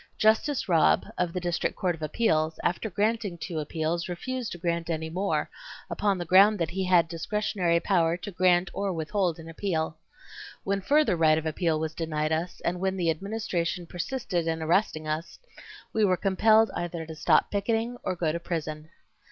Justice Robb, of the District Court of Appeals, after granting two appeals, refused to grant any more, upon the ground that he had discretionary power to grant or withhold an appeal. When further right of appeal was denied us, and when the Administration persisted in arresting us, we were compelled either to stop picketing or go to prison.